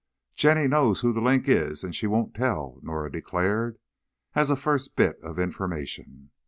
"Jenny knows who 'The Link' is, and she won't tell," Norah declared, as a first bit of information.